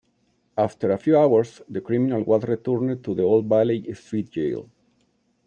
After a few hours, the criminal was returned to the Old Bailey Street jail.